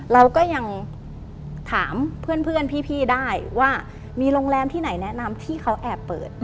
เราก็ยังถามเพื่อนพี่ได้ว่ามีโรงแรมที่ไหนแนะนำที่เขาแอบเปิด